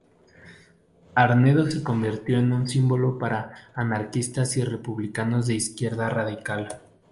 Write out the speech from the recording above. Arnedo se convirtió en un símbolo para anarquistas y republicanos de izquierda radical.